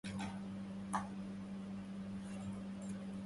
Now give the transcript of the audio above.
يا فضل للفضل معنى أنت شارحه